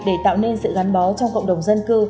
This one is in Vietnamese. để tạo nên sự gắn bó trong cộng đồng dân cư